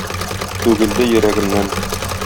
Түгелде йөрәгемнән.